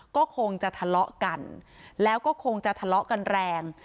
ก็คงจะทะเลาะกันแล้วก็คงจะทะเลาะกันแรง